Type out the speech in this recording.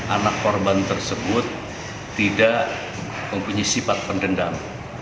anak korban tersebut tidak mempunyai sifat pendendam